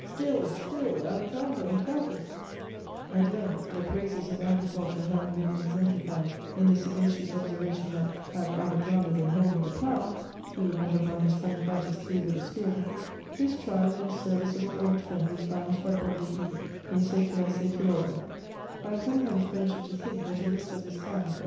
Still, still Alexander and Clytus! At length, the praises of agriculture having been exemplified in the sagacious observation that, had Alexander been holding the plough, he would not have run his friend Clytus through with a spear, this tried, and serviceable old friend was banished by public edict in saecula saeculorum.